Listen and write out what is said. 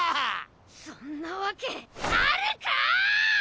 そんなわけあるかぁ！